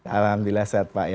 alhamdulillah sehat pak